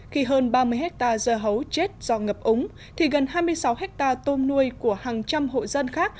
khi hơn ba mươi hectare dưa hấu chết do ngập úng thì gần hai mươi sáu hectare tôm nuôi của hàng trăm hộ dân khác